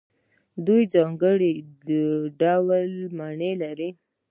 دوی ځانګړي ډول مڼې لري.